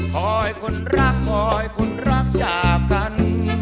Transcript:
คอยคนรักคอยคนรักจากกัน